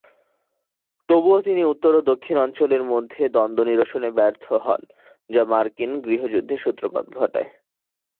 তবুও তিনি উত্তর ও দক্ষিণ অঞ্চলের মধ্যে দ্বন্দ্ব নিরসনে ব্যর্থ হন, যা মার্কিন গৃহযুদ্ধের সূত্রপাত ঘটায়।